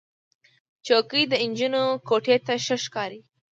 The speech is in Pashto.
چوکۍ د نجونو کوټې ته ښه ښکاري.